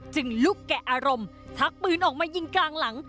ลุกแกะอารมณ์ชักปืนออกมายิงกลางหลัง